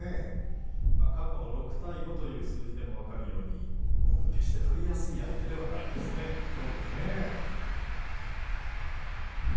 過去６対５という数字でもお分かりのように決して取りやすい相手ではありません。